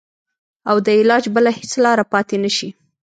او د علاج بله هېڅ لاره پاته نه شي.